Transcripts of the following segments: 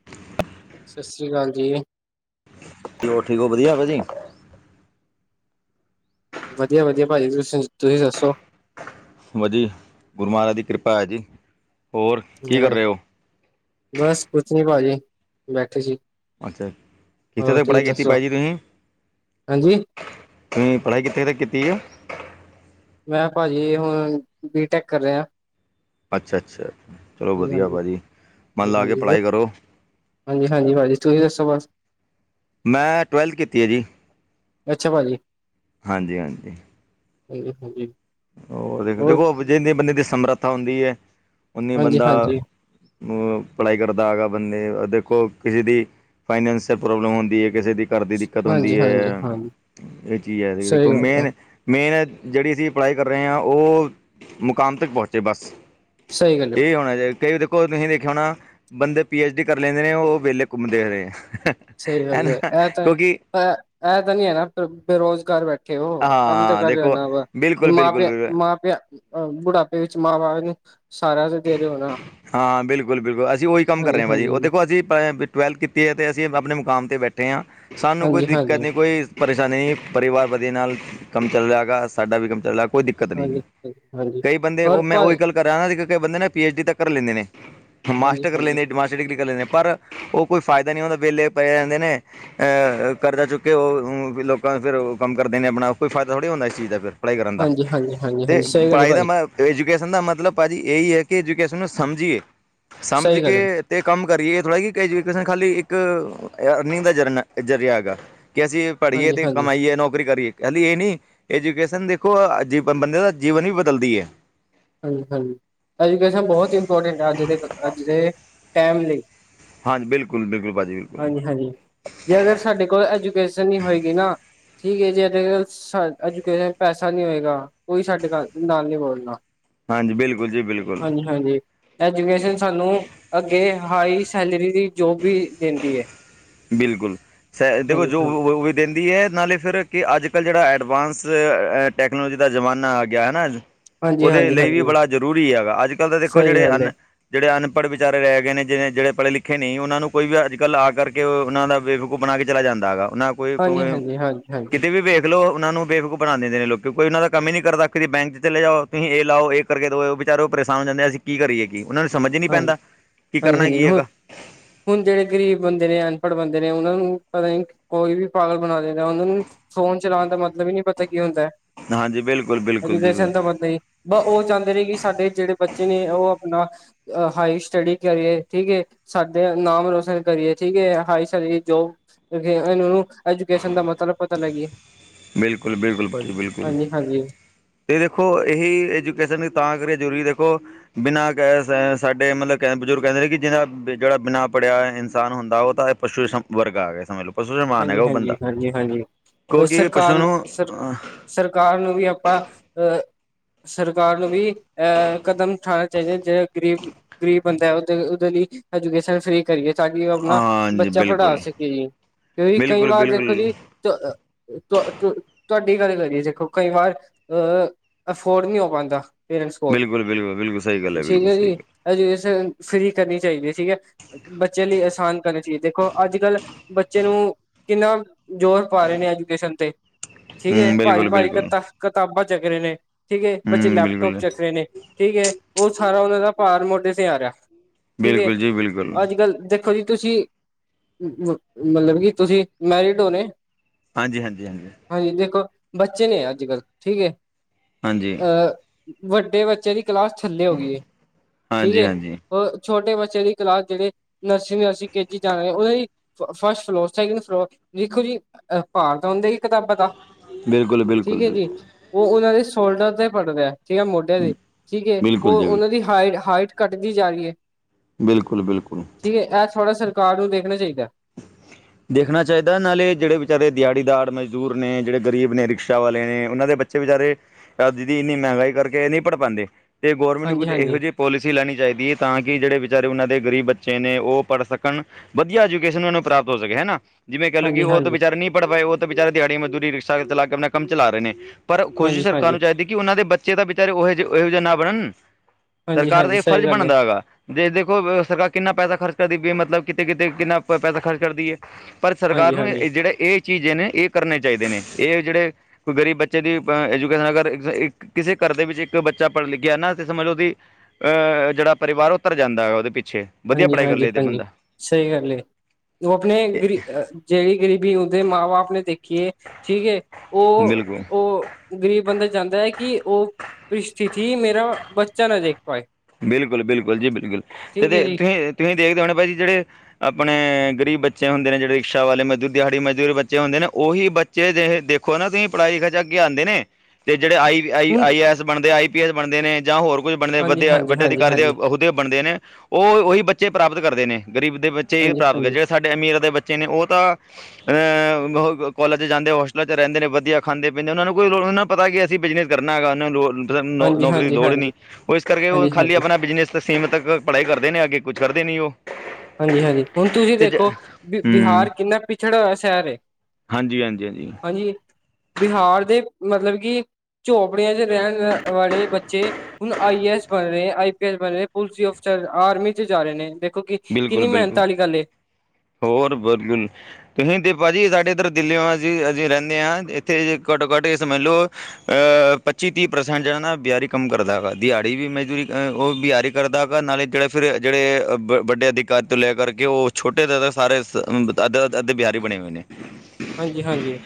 [inaudible] ਸਤਿ ਸ਼੍ਰੀ ਅਕਾਲ ਜੀ। ਤੇ ਹੋਰ ਠੀਕ ਹੋ ਵਧੀਆ ਭਾਜੀ। ਵਧੀਆ ਵਧੀਆ ਭਾਜੀ ਤੁਸੀਂ ਦੱਸੋ। ਵਧੀਆ ਜੀ ਗੁਰੂ ਮਹਾਰਾਜ ਦੀ ਕਿਰਪਾ ਹੈ, ਜੀ ਹੋਰ ਕੀ ਕਰ ਰਹੇ ਹੋ। ਬਸ ਕੁਛ ਨੀ ਪਾਜੀੇ ਬੈਠੇ ਸੀ। ਅੱਛਾ, ਕਿਥੇ ਹੋਰ ਤੱਕ ਤੁਸੀਂ ਪੜ੍ਹਾਈ ਕੀਤੀ ਦੱਸੋ ਪਾਜੀ ਤੁਸੀ? ਹਾਂਜੀ ਤੁਹੀ ਪੜ੍ਹਾਈ ਕਿੱਥੇ ਤੱਕ ਕੀਤੀ ਏ? ਮੈਂ ਪਾਜੀ ਹੁਣ ਬੀ ਟੈੱਕ ਕਰ ਰੇਆਂ। ਅੱਛਾ-ਅੱਛਾ ਚਲੋ ਹਾਂਜੀ ਵਧੀਆ ਹਾਂਜੀ ਪਾਜੀ ਮੰਨ ਲਾ ਕੇ ਪੜ੍ਹਾਈ ਕਰੋ। ਹਾਂਜੀ-ਹਾਂਜੀ ਪਾਜੀ ਤੁਸੀ ਦੱਸੋ ਬਸ। ਮੈਂ ਟਵੈਲਥ ਕੀਤੀ ਏ ਜੀ। ਅੱਛਾ ਪਾਜੀ। ਹਾਂਜੀ-ਹਾਂਜੀ। ਹਾਂਜੀ-ਹਾਂਜੀ‌। ਓ ਦੇਖ ਦੇਖੋ ਜਿੰਨੀੇ ਬੰਦੇ ਦੀ ਸਮਰੱਥਾ ਹੁੰਦੀ ਦੀ ਐ ਓਨੀੇ ਹਾਂਜੀ ਬੰਦਾ ਹਾਂਜੀ ਅ ਪੜ੍ਹਾਈ ਕਰਦਾ ਹੈਗਾ ਬੰਦੇ ਅ ਦੇਖੋ ਕਿਸੇ ਦੀ ਫਾਈਨੈਂਸਲ ਪ੍ਰੋਬਲਮ ਹੋਂਦੀ ਏ ਕਿਸੇ ਦੀ ਘਰ ਦੀ ਦਿੱਕਤ ਹਾਂਜੀ ਹੋਂਦੀ ਐ। ਹਾਂਜੀ ਹਾਂਜੀ ਐ ਚੀਜ਼ ਹੈਗੀ ਸਹੀ ਦੇਖੋ ਗੱਲ ਹੈ ਮੇਨ ਮੇਨ ਜੜੀ ਅਸੀ ਅਪਲਾਈ ਕਰ ਰਏ ਆਂ ਓ ਮੁਕਾਮ ਤੱਕ ਪਹੁੰਚੇ ਬਸ। ਸਈ ਗੱਲ ਏ। ਏਹੀ ਹੋਣਾ ਚਾਈ, ਕਈ ਵਾ ਦੇਖੋ ਨਹੀ ਦੇਖ਼ੇਆ ਹੋਣਾ ਬੰਦੇ ਪੀ ਐਚ ਡੀ ਕਰ ਲੈਂਦੇ ਨੇ ਓ ਵੇਲੇ ਘੁੰਮਦੇ ਵੇ। ਐ ਨਾ ਕਿਉਂਕਿ ਐ, ਐ ਤੇ ਨੀ ਹੈਗਾ ਬੇ ਬੇਰੁਜ਼ਗਾਰ ਬੈ ਠੇ ਓ ਕੰਮ ਤਾਂ ਹਾਂ ਕਰ ਰੇ ਓ ਦੇਖੋ ਨਾ ਵ ਕੇ ਬਿਲਕੁਲ ਮਾਂ ਬਿਲਕੁਲ ਪਿਆ, ਬਿਲਕੁਲ ਮਾਂ ਪਿਆ ਅ ਬੁਢਾਪੇ ਵਿੱਚ ਮਾਂ ਬਾਪ ਨੇ ਹਾਂ ਬਿਲਕੁਲ-ਬਿਲਕੁਲ ਅਸੀ ਓਈ ਕੰਮ ਕਰ ਹਾਂਜੀ ਰੇ ਆਂ ਪਾਜੀ। ਹਾਂਜੀ ਓ ਦੇਖੋ ਅਜੇ ਵੀ ਪਾਏਆ ਟਵੈਲਥ ਕੀਤੀ ਏ ਤੇ ਅਸੀ ਆਪਣੇ ਮੁਕਾਮ 'ਤੇ ਬੈਠੇ ਆਂ। ਸਾਨੂੰ ਕੋਈ ਹਾਂਜੀ ਦਿੱਕਤ ਹਾਂਜੀ ਨੀ ਕੋਈ ਪਰੇਸ਼ਾਨੀ ਨੀ। ਪਰਿਵਾਰ ਵਦੀਏ ਨਾਲ ਕੰਮ ਚੱਲ ਰਿਆ ਹੈਗਾ। ਸਾਡਾ ਵੀ ਕੰਮ ਚੱਲਦਾ ਕੋਈ ਦਿੱਕਤ ਨੀ ਜੀ। ਹਾਂਜੀ ਹਾਂਜੀ ਕਈ ਬੰਦੇ ਹੋਰ ਓ ਮੈਂ ਭਾਈ ਓਈ ਗੱਲ ਕਰਾਂ [unintelligible] ਤੇ ਬੰਦੇ ਨੇ ਪੀ ਐਚ ਡੀ ਤੱਕ ਕਰ ਲੇਂਦੇ ਨੇ, ਹਾਂਜੀ ਮਾਸਟਰ ਕਰ ਹਾਂਜੀ ਲੈਂਦੇ, ਮਾਸਟਰ ਦੀ ਡਿਗਰੀ ਕਰ ਲੈਂਦੇ ਪਰ ਓ ਕੋਈ ਫਾਇਦਾ ਨੀ ਓ ਨੇ ਵੇਲੇ ਪਏ ਰੇਂਦੇ ਨੇ। ਅ ਕਰਜ਼ਾ ਚੁੱਕ ਕੇ ਓ ਹੰ ਫਿਰ ਲੋਕਾਂ ਨੂੰ ਫਿਰ ਓ ਕੰਮ ਕਰਦੇ ਨੇ ਆਪਣਾ ਕੋਈ ਫਾਇਦਾ ਥੋੜ੍ਹੀ ਹੁੰਦਾ ਇਸ ਚੀਜ਼ ਦਾ ਫੇਰ। ਪੜ੍ਹਾਈ ਕਰਨ ਦਾ ਹਾਂਜੀ ਹਾਂਜੀ ਹਾਂਜੀ ਤੇ ਹਾਂਜੀ ਸਹੀ ਗੱਲ ਹੈ ਪੜ੍ਹਾਈ ਦਾ ਭਾਜੀ ਮੈਂ ਐਜੂਕੇਸਨ ਦਾ ਮਤਲਬ ਪਾਜੀ ਏਈ ਐ ਕਿ ਐਜੂਕੇਸਨ ਨੂੰ ਸਮਝੀਏ। ਸਮਝ ਸਹੀ ਗੱਲ ਕੇ ਹੈ ਤੇ ਕੰਮ ਕਰੀਏ। ਏ ਥੋੜ੍ਹਾ ਏ ਕਿ ਐਜੂਕੇਸਨ ਖਾਲੀ ਇੱਕ ਅ ਅਰਨਿੰਗ ਦਾ ਜਰਨਾ ਜ਼ਰੀਆ ਹੈਗੈ। ਕਿ ਅਸੀ ਵੀ ਪੜ੍ਹੀਏ ਹਾਂਜੀ ਤੇ ਹਾਂਜੀ ਕਮਾਈਏ, ਨੌਕਰੀ ਕਰੀਏ। ਕੈਂਦੀ ਏ ਨਈ ਐਜੂਕੇਸਨ ਦੇਖੋ ਅ ਜੀਪਨ ਬੰਦੇ ਦਾ ਜੀਵਨ ਵੀ ਬਦਲਦੀ ਏ। ਹਾਂਜੀ-ਹਾਂਜੀ ਐਜੂਕੇਸਨ ਬੋਹੋਤ ਇੰਪੋਰਟੈਂਟ ਐ ਅੱਜ ਦੇ, ਅੱਜ ਦੇ ਟੈਮ ਲਈ। ਹਾਂਜੀ, ਬਿਲਕੁਲ-ਬਿਲਕੁਲ ਪਾਜੀ ਬਿਲਕੁਲ। ਹਾਂਜੀ ਹਾਂਜੀ ਜੇ ਅਗਰ ਸਾਡੇ ਕੋਲ ਐਜੂਕੇਸ਼ਨ ਨੀ ਹੋਏਗੀ ਨਾ ਠੀਕ ਏ ਜੀ ਅੱਜ ਕੱਲ੍ਹ ਸਾਡ ਐਜੂਕੇਸ਼ਨ ਪੈਸਾ ਨੀ ਹੋਏਗਾ, ਕੋਈ ਸਾਡੇ ਘਾਰ ਨਾਲ ਨੀ ਬੋਲਣਾ ਹਾਂਜੀ, ਬਿਲਕੁਲ ਜੀ ਬਿਲਕੁਲ। ਹਾਂਜੀ-ਹਾਂਜੀ ਐਜੂਕੇਸਨ ਸਾਨੂੰ ਅੱਗੇ ਹਾਈ ਸੈਲਰੀ ਦੀ ਜੋਬ ਵੀ ਦਿੰਦੀ ਹੈ ਬਿਲਕੁਲ ਸ ਦੇਖੋ ਹਾਂਜੀ ਜੋ ਹਾਂਜੀ ਹੂਨ ਉਵਈ ਦੇਂਦੀ ਏ ਨਾਲੇ ਫਿਰ ਕਿ ਅੱਜ ਕੱਲ੍ਹ ਜੜਾ ਐਡਵਾਂਸ ਐ ਟੈਕਨੋਲੋਜੀ ਦਾ ਜ਼ਮਾਨਾ ਆ ਗਿਆ ਐ ਨਾ ਅੱਜ ਹਾਂਜੀ ਓਦੇ ਹਾਂਜੀ ਲਈ ਵੀ ਹਾਂਜੀ ਬੜਾ ਜ਼ਰੂਰੀ ਹੈਗਾ। ਅੱਜ ਕੱਲ੍ਹ ਤਾਂ ਦੇਖੋ ਸਹੀ ਜੜੇ ਗੱਲ ਹੈ ਅਨ ਜੜੇ ਅਨਪੜ੍ਹ ਵਿਚਾਰੇ ਰੈਗੇ ਨੇ, ਜਿਨੇ ਜੜੇ ਪੜੇ ਲਿੱ ਖ਼ੇ ਨੀ ਓਨਾਂ ਨੂੰ ਕੋਈ ਵੀ ਅੱਜ ਕੱਲ੍ਹ ਆ ਕਰਕੇ ਓਨਾਂ ਦਾ ਬੇਵਕੂਫ ਬਣਾ ਕੇ ਚਲਾ ਜਾਂਦਾ ਹੈਗਾ ਓਨਾ ਕੋਏ ਕੋ ਹਾਂਜੀ ਹਾਂਜੀ ਹਾਂਜੀ [unintelligible] ਹਾਂਜੀ ਕਿਤੇ ਵੀ ਵੇ ਦੇਖਲਓ ਉਹਨਾਂ ਨੂੰ ਬੇਫਕੂ ਬਣਾ ਦਿੰਦੇ ਲੋਕੀ, ਕੋਈ ਉਹਨਾਂ ਦਾ ਕੰਮ ਹੀ ਨੀ ਕਰਦਾ ਕਿ ਬੈਂਕ ਚਲੇ ਜਾਓ ਤੁਸੀਂ ਇਹ ਲਾਓ ਕਰਕੇ ਦੋ, ਵਿਚਾਰੇ ਪਰੇਸ਼ਾਨ ਹੋ ਜਾਂਦੇ ਅਸੀਂ ਕੀ ਕਰੀਏ ਕਿ ਉਹਨਾਂ ਨੂੰ ਸਮਝ ਹੀ ਨੀ ਹਾਂਜੀ ਪੈਂਦਾ, ਕੀ ਹਾਂਜੀ ਕਰਨਾ ਹਾਂਜੀ ਕੀ ਹੁਣ ਹੈਗਾ ਹੁਣ ਜਿਹੜੇ ਗ਼ਰੀਬ ਬੰਦੇ ਨੇ, ਅਨਪੜ੍ਹ ਬੰਦੇ ਨੇ, ਉਹਨਾਂ ਨੂੰ, ਪਤਾ ਕੋਈ ਵੀ ਪਾਗਲ ਬਣਾ ਦਿੰਦਾ, ਉਹਨਾਂ ਨੂੰ ਫੋਨ ਚਲਾਉਣ ਦਾ ਮਤਲਬ ਹੀ ਨਹੀਂ ਪਤਾ, ਕੀ ਹੁੰਦਾ ਹਾਂਜੀ ਬਿਲਕੁਲ ਬਿਲਕੁਲ ਜੀ ਐਜੂਕੇਸ਼ਨ ਤਾਂ ਬਤਲ ਬ ਉਹ ਚਾਹੁੰਦੇ ਰਹੇ ਕਿ ਸਾਡੇ ਜਿਹੜੇ ਬੱਚੇ ਨੇ ਉਹ ਆਪਣਾ, ਹਾਈ ਸਟੱਡੀ ਕਰੇ, ਠੀਕ ਹੈ ਸਾਡੇ ਨਾਮ ਰੋਸ਼ਨ ਕਰੀਏ ਠੀਕ ਹੈ, ਹਾਈ ਸਾ ਜੋਬ ਇਹ ਨੂੰ ਐਜੂਕੇਸ਼ਨ ਦਾ ਮਤਲਬ ਪਤਾ ਲੱਗੀ ਬਿਲਕੁਲ- ਬਿਲਕੁਲ ਭਾਜੀ ਬਿਲਕੁਲ ਹਾਂਜੀ ਤੇ ਦੇਖੋ, ਇਹੀ ਐਜੂਕੇਸ਼ਨ ਤਾਂ ਕਰੀ ਜ਼ਰੂਰੀ ਦੇਖੋ ਬਿਨਾਂ ਕ ਸਾਡੇ ਮਤਲਬ ਕਹ ਬਜ਼ੁਰਗ ਕਹਿੰਦੇ ਨੇ ਕਿ ਜਿਹਦਾ, ਜਿਹੜਾ ਬਿਨਾ ਪੜ੍ਹਿਆ ਇਨਸਾਨ ਹੁੰਦਾ ਉਹ ਤਾਂ ਪਸ਼ੂ ਸੰਭ ਵਰਗਾ ਆ ਗਿਆ ਸਮਝ ਲਓ ਪਸ਼ੂ ਸਮਾਨ ਹਾਂਜੀ- ਹੈਗਾ ਉਹ ਹਾਂਜੀ, ਬੰਦਾ ਹਾਂਜੀ' ਹਾਂਜੀ ਕਿਉਂਕਿ ਪਸ਼ੂ ਸਰਕਾਰ ਨੂੰ ਸਰ ਸਰਕਾਰ ਨੂੰ ਵੀ ਆਪਾਂ, ਅਹ ਸਰਕਾਰ ਨੂੰ ਵੀ, ਅਹ ਕਦਮ ਉਠਾਉਣਾ ਚਾਹੀਦਾ ਜਿਹੜੇ ਗਰੀਬ ਗ਼ਰੀਬ ਬੰਦਾ ਉਹਦੇ ਉਹਦੇ ਲਈ ਐਜੂਕੇਸ਼ਨ ਫਰੀ ਕਰੀਏ ਤਾਂ ਕਿ ਉਹ ਆਪਣਾ ਹਾਂਜੀ ਬੱਚਾ ਪੜ੍ਹਾ ਬਿਲਕੁਲ ਸਕੇ ਜੀ ਕਿਹੀ, ਕਈ ਬਿਲਕੁਲ ਵਾਰ ਦੇਖੋ ਬਿਲਕੁਲ ਜੀ ਤੁਹਾਡੀ ਗੱਲ ਕਰੀਏ, ਦੇਖੋ ਕਈ ਵਾਰ, ਅਹ! ਅਫੋਰਡ ਨਹੀਂ ਹੋ ਪਾਉਂਦਾ, ਪੇਰੈਂਟਸ ਕੋਲ, ਬਿਲਕੁਲ ਬਿਲਕੁਲ ਬਿਲਕੁਲ ਸਹੀ ਗੱਲ ਠੀਕ ਬਿਲਕੁਲ ਹੈ ਸਹੀ ਜੀ ਗੱਲ ਐਜੂਕੇਸ਼ਨ ਫਰੀ ਕਰਨੀ ਚਾਹੀਦੀ ਹੈ ਠੀਕ ਹੈ ਬੱਚੇ ਲਈ ਅਸਾਨ ਕਰਨਾ ਚਾਹੀਏ, ਦੇਖੋ ਅੱਜ- ਕੱਲ੍ਹ ਬ ਬੱਚੇ ਨੂੰ, ਕਿੰਨਾ ਜ਼ੋਰ ਪਾ ਰਹੇ ਨੇ ਐਜੂਕੇਸ਼ਨ ਤੇ, ਠੀਕ ਹੈ ਹੂੰ ਬਿਲਕੁਲ ਭਾਰੀ- ਭਾਰੀ ਬਿਲਕੁਲ ਕਰਤਾ ਕਿਤਾਬਾਂ ਚੱਕ ਰਹੇ ਨੇ, ਠੀਕ ਹੈ ਬੱਚੇ ਹੂੰ ਲੈਪਟੋਪ ਬਿਲਕੁਲ ਚੱਕ ਰਹੇ ਨੇ, ਠੀਕ ਹੈ ਉਹ ਸਾਰਾ ਉਹਨਾਂ ਦਾ ਭਾਰ ਮੋਢੇ ਤੇ ਆ ਰਿਹਾ, ਠੀਕ ਹੈ, ਬਿਲਕੁਲ ਜੀ ਬਿਲਕੁਲ ਅੱਜ- ਕੱਲ ਦੇਖੋ ਜੀ ਤੁਸੀਂ, ਮਤਲਬ ਕੀ ਤੁਸੀਂ ਮੈਰਿਡ ਹੋਣੇ ਹਾਂਜੀ -ਹਾਂਜੀ -ਹਾਂਜੀ ਹਾਂਜੀ, ਦੇਖੋ ਬੱਚੇ ਨੇ ਅੱਜ-ਕੱਲ, ਠੀਕ ਹੈ ਹਾਂਜੀ ਅ ਵੱਡੇ ਬੱਚੇ ਦੀ ਕਲਾਸ ਥੱਲੇ ਹੋ ਗਈ ਹੈ, ਠੀਕ ਹਾਂਜੀ ਹੈ ਹਾਂਜੀ ਉਹ, ਛੋਟੇ ਬੱਚੇ ਦੀ ਕਲਾਸ ਜਿਹੜੇ ਨਰਸਈ ਨਰਸ ਕੇ ਜੀ ਜਾਣ ਉਹ ਫਸਟ ਫਲੋਰ, ਸੈਕਿੰਡ ਫਲੋਰ, ਦੇਖੋ ਜੀ ਅਹ ਭਾਰ ਦਾ ਹੁੰਦਾ ਹੀ ਕਿਤਾਬਾਂ ਦਾ ਬਿਲਕੁਲ ਬਿਲਕੁਲ ਠੀਕ ਹੈ ਜੀ, ਬਿਲਕੁਲ ਉਹ ਉਹਨਾਂ ਦੇ ਸ਼ੋਲਡਰ ਤੇ ਪੜ ਰਿਹਾ ਠੀਕ ਮੋਢਿਆਂ ਦੇ, ਠੀਕ ਹੈ ਬਿਲਕੁਲ ਉਹ ਜੀ ਬਿਲਕੁਲ ਉਹਨਾਂ ਦੀ ਹਾਈ ਹਾਈਟ ਘੱਟਦੀ ਜਾ ਰਹੀ ਹੈ ਬਿਲਕੁਲ -ਬਿਲਕੁਲ ਠੀਕ ਹੈ, ਇਹ ਥੋੜ੍ਹਾ ਸਰਕਾਰ ਨੂੰ ਦੇਖਣਾ ਚਾਹੀਦਾ ਹ [inaudible] ਦੇਖਣਾ ਚਾਹੀਦਾ, ਨਾਲੇ ਜਿਹੜੇ ਵਿਚਾਰੇ ਦਿਹਾੜੀਦਾਰ, ਮਜ਼ਦੂਰ ਨੇ, ਜਿਹੜੇ ਗ਼ਰੀਬ ਨੇ, ਰਿਕਸ਼ਾ ਵਾਲੇ ਨੇ ਉਹਨਾਂ ਦੇ ਬ ਬੱਚੇ ਵਿਚਾਰੇ ਇੰਨੀ ਮਹਿੰਗਾਈ ਕਰਕੇ ਨਹੀਂ ਪੜ੍ਹ ਪਾਉਂਦੇ, ਤੇ ਗੌਰਰਮੈਂਟ ਨੂੰ ਹਾਂਜੀ ਕੁੱਝ ਇਹੋ ਹਾਂਜੀ ਜਿਹੇ ਪੋਲਿਸੀ ਲੈਣੀ ਚਾਹੀਦੀ ਹੈ ਤਾਂ ਕਿ ਜਿਹੜੇ ਵਿਚਾਰੇ ਉਹਨਾਂ ਦੇ ਗਰੀਬ ਬੱਚੇ ਨੇ ਉਹ ਪੜ੍ਹ ਸਕਣ ਵਧੀਆ ਜੇ ਕਿਸੇ ਨੂੰ ਪ੍ਰਾਪਤ ਹੋ ਸਕੇ ਹਨਾ, ਜਿਵੇਂ ਕਹਿ ਲਓ ਕਿ ਹਾਂਜੀ ਉਹ ਤੋਂ ਹਾਂਜੀ ਵਿਚਾਰੇ ਨਹੀਂ ਪੜ ਪਾਏ ਉਹ ਵਿਚਾਰੇ ਦਿਹਾੜੀ ਮਜ਼ਦੂਰੀ ਰਿਕਸ਼ਾ ਚਲਾ ਕੇ ਆਪਣਾ ਕੰਮ ਚਲਾ ਰਹੇ ਨੇ, ਪਰ ਕੋਸ਼ਿਸ਼ ਹਾਂਜੀ ਸਰਕਾਰ ਹਾਂਜੀ ਨੂੰ ਚਾਹੀਦੀ ਕਿ ਕਿ ਉਹਨਾਂ ਦੇ ਬੱਚੇ ਤਾਂ ਵਿਚਾਰੇ ਉਹੋ ਜਿ, ਇਹੋ ਜਿਹੇ ਨਾ ਬਣਨ, ਹਾਂਜੀ ਸਰਕਾਰ ਦਾ ਹਾਂਜੀ ਇਹ ਸਹੀ ਫਰਜ਼ ਗੱਲ ਹੈ ਬਣਦਾ ਹੈਗਾ ਜੇ ਦੇਖੋ ਸਰਕਾਰ ਕਿੰਨਾ ਪੈਸਾ ਖਰਚ ਕਰਦੀ, ਵੀ ਮਤਲਬ ਕਿੱਤੇ ਕਿਤੇ ਕਿੰਨਾ ਪ ਪੈਸਾ ਖਰਚ ਕਰਦੀ ਏ ਪਰ ਸਰਕਾਰ ਹਾਂਜੀ ਨੂੰ ਹਾਂਜੀ ਜਿਹੜੇ ਇਹ ਚੀਜ਼ ਨੇ, ਇਹ ਕਰਨੇ ਚਾਹੀਦੇ ਨੇ, ਇਹ ਜਿਹੜੇ ਕੋਈ ਗਰੀਬ ਬੱਚੇ ਦੀ, ਐਜੂਕੇਸ਼ਨ ਅਗਰ ਇਕ ਕਿਸੇ ਘਰ ਦੇ ਵਿੱਚ ਇੱਕ ਬੱਚਾ ਪੜ੍ਹ ਲਿਖਿਆ ਨਾ, ਤੇ ਸਮਝ ਉਹਦੀ। ਅਹ ਜਿਹੜਾ ਪਰਿਵਾਰ ਉੱਤਰ ਜਾਂਦਾ, ਉਹਦੇ ਪਿੱਛੇ ਵਧੀਆ ਹਾਂਜੀ ਪੜ੍ਹਾਈ ਕਰ ਹਾਂਜੀ ਲਦੇ ਹਾਂਜੀ ਬੰਦਾ। ਸਹੀ ਗੱਲ ਏ, ਉਹ ਆਪਣੇ ਗਰੀ ਜਿਹੜੀ ਗਰੀਬੀ ਉਹਦੇ ਮਾਂ ਬਾਪ ਨੇ ਦੇਖੀ ਏ। ਠੀਕ, ਉਹ ਬਿਲਕੁਲ ਉਹ। ਗ਼ਰੀਬ ਬੰਦਾ ਚਾਹੁੰਦਾ ਹੈ, ਕਿ ਉਹ ਸਥਿਤੀ ਮੇਰਾ ਬੱਚਾ ਨਾ ਦੇਖ ਪਾਏ। ਬਿਲਕੁਲ ਬਿਲਕੁਲ ਜੀ ਬਿਲਕੁਲ ਤੇ ਠੀਕ ਹੈ ਜੀ ਤੁਸੀਂ ਤੁਸੀਂ ਦੇਖਦੇ ਹੋਣੇ ਭਾਜੀ ਜਿਹੜੇ ਆਪਣੇ ਗਰੀਬ ਬੱਚੇ ਹੁੰਦੇ ਨੇ, ਜਿਹੜੇ ਰਿਕਸ਼ਾ ਵਾਲੇ ਮਜ਼ਦੂਰ, ਦਿਹਾੜੀ ਮਜ਼ਦੂਰ ਬੱਚੇ ਹੁੰਦੇ ਨੇ ਉਹੀ ਬ ਚ ਦੇਖੋ ਨਾ ਤੁਸੀਂ ਪੜ੍ਹਾਈ ਖਚਾੱ ਆਉਂਦੇ ਨੇ ਤੇ ਜਿਹੜੇ ਆਈ ਆਈ ਹੁਣ ਆਈ ਐ ਐੱਸ ਬਣਦੇ, ਆਈ ਪੀ ਐੱਸ ਬਣਦੇ ਨੇ ਜਾਂ ਹੋਰ ਕੁੱਝ ਬਣਦੇ ਹਾਂਜੀ ਵਧੀਆ। ਹਾਂਜੀ ਹਾਂਜੀ ਹਾਂਜੀ ਉਹਦੇ ਬਣਦੇ ਨੇ ਉਹ ਉਹੀ ਬੱਚੇ ਪ੍ਰਾਪਤ ਕਰਦੇ ਨੇ, ਗਰੀਬ ਦੇ ਬੱਚੇ ਹੀ ਹਾਂਜੀ ਪ੍ਰਾਪਤ ਕਰ ਹਾਂਜੀ ਜਿਹੜੇ। ਸਾਡੇ ਅਮੀਰ ਦੇ ਬੱਚੇ ਨੇ ਉਹ ਤਾਂ ਅ ਕਾਲਜ਼ ਚ ਜਾਂਦੇ, ਹੋਸਟਲਾਂ ਚ ਰਹਿੰਦੇ ਨੇ ਵਧੀਆ ਖਾਂਦੇ ਪੀਂਦੇ, ਉਹਨਾਂ ਨੂੰ ਕੋਈ ਲੋ ਨੂੰ ਪਤਾ ਕੀ ਅਸੀਂ ਬਿਜਨਸ ਕਰਨਾ ਹੈਗਾ, ਉਹਨਾਂ ਨੂੰ ਲੋ ਹਾਂਜੀ ਨੌਕਰੀ ਦੀ ਹਾਂਜੀ ਲੋੜ ਹੀ ਹਾਂਜੀ ਨਹੀਂ। ਉਹ ਇਸ ਕਰਕੇ ਉਹ ਹਾਂਜੀ ਹਾਂਜੀ ਬਿਜਨਸ ਸੀਮਤ ਤੱਕ ਪੜ੍ਹਾਈ ਕਰਦੇ ਨੇ, ਅੱਗੇ ਕੁਛ ਕਰਦੇ ਨੀ ਉਹ ਹਾਂਜੀ ਹਾਂਜੀ ਹੁਣ ਤੁਸੀਂ ਤੇ ਜ- ਦੇਖੋ ਹੂੰ ਬਿਹਾਰ ਕਿੰਨਾ ਪਿਛੜਾ ਹੋਇਆ ਸ਼ਹਿਰ ਏ। ਹਾਂਜੀ ਹਾਂਜੀ ਹਾਂਜੀ। ਬਿਹਾਰ ਦੇ ਮਤਲਬ ਕਿ ਝੋਪੜੀਆਂ ਚ ਰਹਿਣ ਵਾਲੇ ਬੱਚੇ ਹੁਣ ਆਈ ਏ ਐੱਸ ਬਣ ਰਹੇ, ਆਈ ਪੀ ਐਸ ਬਣ ਰ, ਪੁਲਿਸ ਅਫਰ, ਆਰਮੀ ਚ ਜਾ ਰਹੇ ਨੇ ਕਿ ਬਿਲਕੁਲ ਕਿੰਨੀ ਮਿਹਨਤ ਬਿਲਕੁਲ ਵਾਲੀ ਗੱਲ ਏ ਹੋਰ ਬਕੁ ਤੁਸੀਂ ਦੇ ਭਾਜੀ ਸਾਡੇ ਇੱਧਰ ਦਿੱਲੀ ਹੋ ਜੀ ਅਸੀਂ ਰਹਿੰਦੇ ਹਾਂ। ਇੱਥੇ ਜੇ ਘੱਟੋ ਘੱਟ ਸਮ ਮੰਨ ਲਓ ਅਹ ਪੱਚੀ ਤੀਹ ਪ੍ਰਸੈਂਟ ਜਿਹੜਾ ਨਾ ਬਹਾਰੀ ਕੰਮ ਕਰਦਾ ਹੈਗਾ, ਦਿਹਾੜੀ ਵੀ ਮਜ਼ਦੂਰੀ ਉਹ ਬਾਰੀ ਕਰਦਾ ਹੈ, ਗਗਾ ਨਾਲੇ ਜਿਹੜਾ ਫਿਰ ਜਿਹੜੇ ਵੱਡੇ ਅਧਿਕਾਰ ਤੋਂ ਲੈ ਕਰਕੇ ਉਹ ਛੋਟੇ ਤਾਂ ਸਾਰੇ ਦਾਦਾ ਦਾਦੀ ਬਿਆਰੀ ਬਣੀ ਹੋਈ ਨੇ। ਹਾਂਜੀ ਹਾਂਜੀ।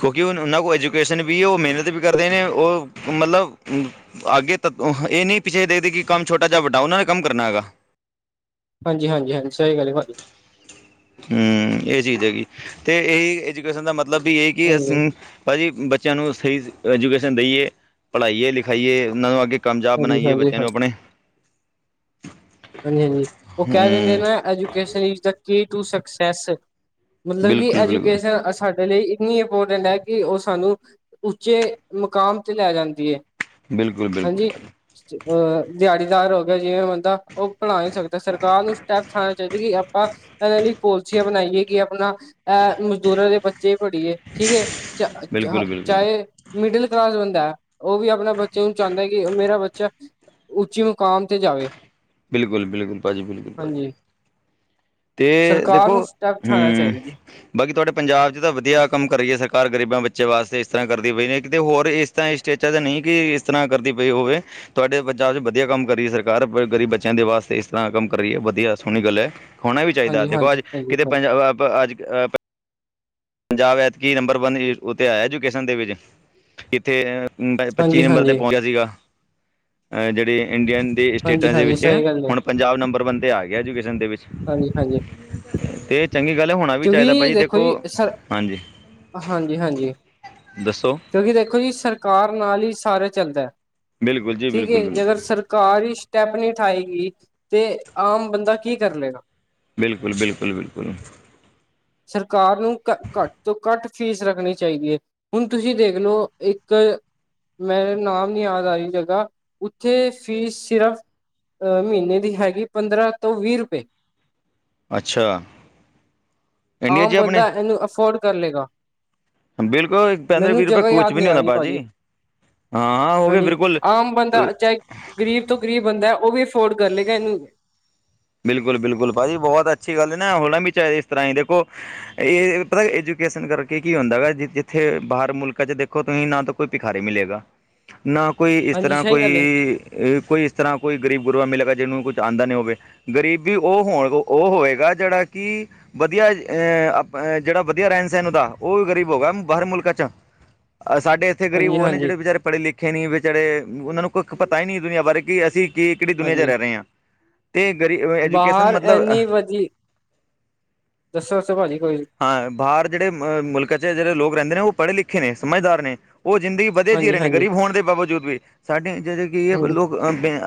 ਕਿਉਂਕਿ ਉਹਨਾਂ ਕੋਲ ਐਜੂਕੇਸ਼ਨ ਵੀ, ਉਹ ਮਿਹਨਤ ਵੀ ਕਰਦੇ ਨੇ। ਉਹ ਮਤਲਬ ਅੱਗੇ ਤਾਂ ਇਹ ਨਹੀਂ ਪਿੱਛੇ ਦੇਖਦੇ ਕਿ ਕੰਮ ਛੋਟਾ ਜਿਹਾ ਵੱਡਾ ਉਹਨਾਂ ਨੇ ਕੰਮ ਕਰਨਾ ਹੈਗਾ। ਹਾਂਜੀ ਹਾਂਜੀ ਹਾਂਜੀ, ਸਹੀ ਗੱਲ ਹੈ ਭਾਜ਼ੀ। ਹਮ ਇਹ ਚੀਜ਼ ਹੈਗੀ, ਤੇ ਇਹੀ ਐਜੂਕੇਸ਼ਨ ਦਾ ਮਤਲਬ ਵੀ ਇਹ ਕਿ ਹਾਂਜੀ ਅਸੀਂ ਭਾਜੀ ਬੱਚਿਆਂ ਨੂੰ ਸਹੀ ਐਜੂਕੇਸ਼ਨ ਦੇਈਏ, ਪੜ੍ਹਾਈਏ ਲਿਖਾਈਏ, ਉਹਨਾਂ ਨੂੰ ਅੱਗੇ ਕਾਮਯਾਬ ਹਾਂਜੀ ਬਣਾਈਏ ਹਾਂਜੀ ਬੱਚਿਆਂ ਨੂੰ ਹਾਂਜੀ ਆਪਣੇ। ਹਾਂਜੀ ਹਾਂਜੀ, ਉਹ ਕਹਿ ਦਿੰਦੇ ਹੂੰ ਨਾ educations is key to success. ਮਤਲਬ ਕਿ ਬਿਲਕੁਲ ਬਿਲਕੁਲ ਐਜੂਕੇਸ਼ਨ ਅਸੀਂ ਸਾਡੇ ਲਈ ਇੰਨੀ ਇੰਪੋਰਟੈਂਟ ਹੈ, ਕਿ ਉਹ ਸਾਨੂੰ ਉੱਚੇ ਮੁਕਾਮ ਤੇ ਲੈ ਜਾਂਦੀ ਹੈ। ਬਿਲਕੁਲ, ਹਾਂਜੀ ਬਿਲਕੁਲ। ਦਿਹਾੜੀਦਾਰ ਹੋ ਗਿਆ, ਜਿਵੇਂ ਬੰਦਾ ਉਹ ਬਣਾ ਨਹੀਂ ਸਕਦਾ। ਸਰਕਾਰ ਨੂੰ ਸਟੈਪ ਆਣੇ ਚਾਹੀਦਾ, ਕਿ ਆਪਾਂ ਇਹਨਾਂ ਲਈ ਪੋਲਸੀਆਂ ਬਣਾਈਏ, ਕਿ ਆਪਣਾ ਇਹ ਮਜ਼ਦੂਰਾਂ ਦੇ ਬੱਚੇ ਪੜ੍ਹੀਏ ਠੀਕ ਹੈ, ਚ ਬਿਲਕੁਲ ਬਿਲਕੁਲ ਚਾਹੇ ਮਿਡਲ ਕਲਾਸ ਬੰਦਾ ਹੈ, ਉਹ ਵੀ ਆਪਣਾ ਬੱਚੇ ਨੂੰ ਚਾਹੁੰਦਾ ਹੈ। ਕਿ ਮੇਰਾ ਬੱਚਾ ਉੱਚੀ ਮੁਕਾਮ ਤੇ ਜਾਵੇਂ ਬਿਲਕੁਲ, ਬਿਲਕੁਲ, ਭਾਜੀ, ਬਿਲਕੁਲ। ਤੇ ਸਰਕਾਰ ਦੇਖੋ, ਨੂੰ ਸਟੈਪ ਉਠਾਉਣਾ ਹਮ। ਚਾਹੀਦਾ ਜੀ ਬਾਕੀ ਤੁਹਾਡੇ ਪੰਜਾਬ 'ਚ ਤਾਂ ਵਧੀਆ ਕੰਮ ਕਰੀ ਹੈ। ਸਰਕਾਰ ਗਰੀਬਾਂ ਬੱਚੇ ਵਾਸਤੇ ਇਸ ਤਰ੍ਹਾਂ ਕਰਦੀ ਹੋਈ ਨੇ ਕਿਤੇ ਹੋਰ ਇਸ ਤਾਂ ਇਸਟੇਚਾਂ ਤੇ ਨਹੀਂ। ਕਿ ਇਸ ਤਰ੍ਹਾਂ ਕਰਦੀ ਪਈ ਹੋਵੇ, ਤੁਹਾਡੇ ਪੰਜਾਬ ਚ ਵਧੀਆ ਕੰਮ ਕਰੀਏ ਸਰਕਾਰ ਪਰ ਗਰੀਬ ਬੱਚੇ ਬੱਚਿਆਂ ਦੇ ਵਾਸਤੇ ਇਸ ਤਰ੍ਹਾਂ ਕੰਮ ਕਰ ਰਹੀ ਹੈ, ਵਧੀਆ ਸੋਹਣੀ ਗੱਲ ਹੈ। ਹੋਣਾ ਵੀ ਚਾਹੀਦਾ, ਹਾਂਜੀ ਦੇਖੋ ਹਾਂਜੀ ਅੱਜ ਹਾਂਜੀ ਕਿਤੇ ਪੰਜ ਹਾਂਜੀ ਅੱਜ ਅ ਪੰਜਾਬ ਐਤਕੀ ਨੰਬਰ ਵਨ ਉੱਥ ਆਇਆ, ਐਜੂਕੇਸ਼ਨ ਦੇ ਵਿੱਚ ਜੱਥੇ ਪੱਚੀ ਨੰਬਰ ਹਾਂਜੀ 'ਤੇ ਪਹੁੰਚਿਆ ਸੀਗਾ, ਜਿਹੜੇ ਇੰਡੀਅਨ ਦੀ ਹਾਂਜੀ ਸਟੇਟਾਂ ਦੇ ਹਾਂਜੀ ਵਿੱਚ, ਸਹੀ ਗੱਲ ਹੈ ਹੁਣ ਪੰਜਾਬ ਨੰਬਰ ਵਨ ਤੇ ਆ ਗਿਆ। ਐਜੂਕੇਸ਼ਨ ਦੇ ਵਿੱਚ ਹਾਂਜੀ-ਹਾਂਜੀ ਤੇ ਚੰਗੀ ਗੱਲ ਹੋਣਾ ਵੀ ਚਾਹੀਦਾ ਕਿਉਂਕਿ ਭਾਜੀ ਦੇਖੋ, ਜੀ ਸਰ ਹਾਂਜੀ ਹਾਂਜੀ-ਹਾਂਜੀ ਦੱਸੋ? ਕਿਉਂਕਿ ਦੇਖੋ ਜੀ ਸਰਕਾਰ ਨਾਲ ਹੀ ਸਾਰਾ ਚੱਲਦਾ, ਬਿਲਕੁਲ ਜੀ ਠੀਕ ਹੈ, ਬਿਲਕੁਲ ਜੇ ਕਰ ਬਿਲਕੁਲ ਸਰ ਕਾਰ ਹੀ ਸਟੈਪ ਨੀ ਠਾਏਗੀ ਤੇ ਆਮ ਬੰਦਾ ਕੀ ਕਰ ਲਏਗਾ। ਬਿਲਕੁਲ, ਬਿਲਕੁਲ, ਬਿਲਕੁਲ। ਸਰਕਾਰ ਨੂੰ ਘ ਘੱਟ ਤੋਂ ਘੱਟ ਫੀਸ ਰੱਖਣੀ ਚਾਹੀਦੀ ਹੈ। ਹੁਣ, ਤੁਸੀਂ ਦੇਖਲਓ ਇੱਕ, ਮੈ ਨਾਮ ਨੀ ਯਾਦ ਆ ਰਹੀ, ਜਗ੍ਹਾ ਉੱਥੇ ਫੀਸ ਸਿਰਫ ਅਹ ਮਹੀਨੇ ਦੀ ਹੈਗੀ। ਪੰਦਰਾਂ ਤੋਂ ਵੀਹ ਰੁਪਏ ਅੱਛਾ। ਇੰਡੀਆ ਆਮ ਜੀ ਆਪਣੇ ਬੰਦਾ ਇਹਨੂੰ ਅਫੋਰਡ ਕਰ ਲਏਗਾ। ਬਿਲਕੁਲ ਮੈਨੂੰ ਵੀਹ ਰੁਪਏ ਜਗ੍ਹਾ ਕੁਛ ਯਾਦ ਵੀ ਨਹੀਂ ਆ ਹੁੰਦਾ ਰਹੀ, ਭਾਜੀ ਹਾਂ ਹਾਂ ਹੋ ਗਏ ਹਾਂਜੀ, ਬਿਲਕੁਲ ਆਮ ਬੰਦਾ ਚਾਹੇ ਗ਼ਰੀਬ ਤੋਂ ਗਰੀਬ ਬੰਦਾ ਉਹ ਵੀ ਅਫੋਰਡ ਕਰ ਲਏਗਾ। ਇਹਨੂੰ ਬਿਲਕੁਲ, ਬਿਲਕੁਲ ਭਾਜੀ ਬਹੁਤ ਅੱਛੀ ਗੱਲ ਨਾ ਹੋਣਾ ਵੀ ਚਾਹੀਦਾ। ਇਸ ਤਰ੍ਹਾਂ ਹੀ ਦੇਖੋ, ਇਹ ਪਤਾ ਐਜੂਕੇਸ਼ਨ ਕਰਕੇ ਕੀ ਹੁੰਦਾ, ਜਿੱਥੇ ਬਾਹਰ ਮੁਲਕਾਂ ਚ ਦੇਖੋ ਤੁਸੀਂ ਨਾ ਤਾਂ ਕੋਈ ਭਿਖਾਰੇ ਮਿਲੇਗਾ। ਨਾ ਕੋਈ ਇਸ ਹਾਂਜੀ ਤਰ੍ਹਾਂ ਸਹੀ ਕੋਈ ਗੱਲ ਹੈ ਇਹ ਕੋਈ ਇਸ ਤਰ੍ਹਾਂ ਕੋਈ ਗਰੀਬ ਗੁਰੂਬ ਮਿਲੇਗਾ। ਜਿਹਨੂੰ ਕੁਛ ਆਉਂਦਾ ਨੀ ਹੋਵੇ, ਗ਼ਰੀਬੀ ਉਹ ਹੋਣ ਉਹ ਹੋਵੇਗਾ, ਜਿਹੜਾ ਕਿ ਵਧੀਆ ਅਹ ਜਿਹੜਾ ਵਧੀਆ ਰਹਿਣ ਸਹਿਣ ਉਹਦਾ ਉਹ ਵੀ ਗ਼ਰੀਬ ਹੋ ਗਿਆ, ਬਾਹਰ ਮੁਲਕਾਂ ਚ ਸਾਡੇ ਇੱਥੇ ਗਰੀਬ ਹਾਂਜੀ ਉਹ ਨੇ ਹਾਂਜੀ ਜਿਹੜੇ ਵਿਚਾਰੇ ਪੜ੍ਹੇ ਲਿਖੇ ਨੀ, ਵਿਚਾਰੇ ਉਹਨਾਂ ਨੂੰ ਕੋ ਪਤਾ ਹੀ ਨਹੀਂ ਦੁਨੀਆ ਬਾਰੇ ਕਿ ਅਸੀਂ ਕਿ ਕਿਹੜੀ ਦੁਨੀਆਂ ਚ ਹਾਂਜੀ ਰਹਿ ਰਹੇ ਹਾਂ, ਤੇ ਗਰੀ ਐਜੂਕੇਸ਼ਨ ਬਾਹਰ ਮਤਲਬ ਐੰਨੀ ਵਧੀਆ, ਦੱਸੋੱ ਦਸੋ ਭਾਜੀ ਕੋਈ ਹਾਂ ਬਾਹਰ ਜਿਹੜੇ ਮੁਲਕਾਂ ਚ ਜਿਹੜੇ ਲੋਕ ਰਹਿੰਦੇ ਨੇ, ਉਹ ਪੜ੍ਹੇ ਲਿਖੇ ਨੇ ਸਮਝਦਾਰ ਨੇ, ਉਹ ਜ਼ਿੰਦਗੀ ਵਧੇ ਜੀ ਹਾਂਜੀ ਰਹੇ ਨੇ ਹਾਂਜੀ ਗਰੀਬ ਹੋਣ ਦੇ ਬਾਵਜੂਦ ਵੀ ਸਾਡੇ ਜਿਦੇ ਕੀ ਹੈ ਹਾਂਜੀ। ਲੋਕ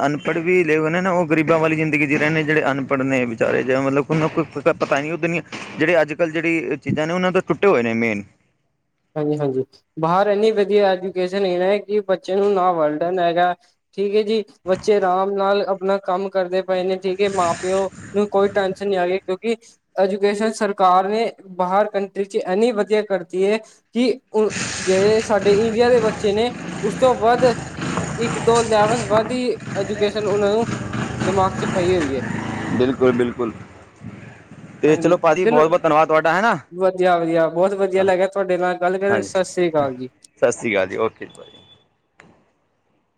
ਅਨਪੜ੍ਹ ਵੀ ਲ ਉਹ ਨੇ ਨਾ ਉਹ ਗਰੀਬਾਂ ਵਾਲੀ ਜਿੰਦ ਜੀ ਰਹੇ ਨੇ ਜਿਹੜੇ ਅਨਪੜ੍ਹ ਨੇ ਵਿਚਾਰੇ ਜਾਂ ਮਤਲਬ ਉਹਨੂੰ ਪਤਾ ਨ ਨਹੀਂ ਉੱਦ ਜਿਹੜੇ ਅੱਜ ਕੱਲ੍ਹ ਜਿਹੜੀ ਚੀਜ਼ਾਂ ਨੇ ਉਹਨਾਂ ਦੇ ਟੁੱਟੇ ਹੋਏ ਨੇ ਮੇਨ ਹਾਂਜੀ ਹਾਂਜੀ, ਬਾਹਰ ਇੰਨੀ ਵਧੀਆ ਐਜੂਕੇਸ਼ਨ ਏ ਨਾ ਕਿ ਬੱਚੇ ਨੂੰ ਨਾ ਬਰਡਨ ਹੈਗਾ। ਠੀਕ ਹੈ ਜੀ, ਬੱਚੇ ਆਰਾਮ ਨਾਲ ਆਪਣਾ ਕੰਮ ਕਰਦੇ ਪਏ ਨੇ, ਠੀਕ ਹੈ, ਮਾਂ ਪਿਓ ਨੂੰ ਕੋਈ ਟੈਂਨਸ਼ਨ ਨਹੀਂ ਆ‌‌ ਰਹੀ ਕਿਉਂਕਿ ਐਜੂਕੇਸ਼ਨ ਸਰਕਾਰ ਨੇ ਬਾਹਰ ਕੰਟਰੀ ਚ ਐੰਨੀ ਵਧੀਆ ਕਰਤੀ ਹੈ। ਕਿ ਜਿਹੜੇ ਸਾਡੇ ਇੰਡੀਆ ਦੇ ਬੱਚੇ ਨੇ ਉਸ ਤੋਂ ਵੱਧ ਇੱਕ ਦੋ ਲੈਵਲ ਵੱਧ ਹੀ ਐਜੂਕੇਸ਼ਨ ਉਹਨਾਂ ਨੂੰ ਦਿਮਾਗ ਚ ਪਾਈ ਹੋਈ ਹੈ। ਬਿਲਕੁਲ-ਬਿਲਕੁਲ। ਹਾਂਜੀ। ਚਲੋ ਵਧੀਆ-ਵਧੀਆ ਬਹੁਤ ਵਧੀਆ ਲੱਗਿਆ ਤੁਹਾਡੇ ਨਾਲ। ਗੱਲ ਕਰ ਹਾਂਜੀ। ਸਤਿ ਸ੍ਰੀ ਅਕਾਲ ਜੀ। ਸਤਿ ਸ਼੍ਰੀ ਅਕਾਲ ਜੀ, ਓਕੇ ਜੀ, ਭਾਅ ਜੀ